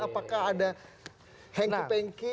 apakah ada hengki pengki